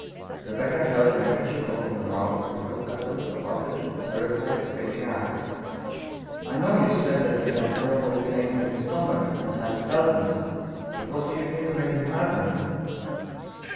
Rebecca held her handkerchief over her mouth, and looked at them above it with terrified, streaming eyes. " I know you said that he had terrible pains in his stom ach, and had spasms, but what do you think made him have them